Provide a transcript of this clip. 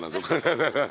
ハハハハ。